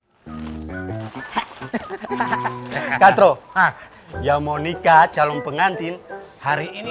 hai hai hai hai hai hai hai hai hai hai katro yang mau nikah calon pengantin hari ini